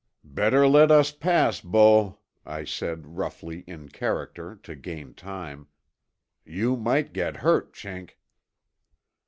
"Better let us pass, bo," I said roughly in character, to gain time. "You might get hurt, Chink."